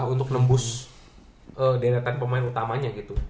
untuk nembus deretan pemain utamanya gitu